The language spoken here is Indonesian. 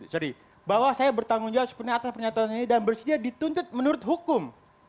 jadi bahwa saya bertanggung jawab sepenuhnya atas pernyataan ini dan bersedia dituntut menurut hukum